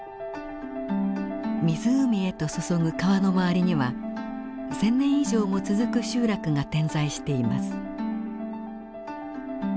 湖へと注ぐ川の周りには１，０００年以上も続く集落が点在しています。